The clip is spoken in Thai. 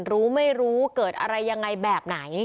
รู้ไม่รู้เกิดอะไรยังไงแบบไหน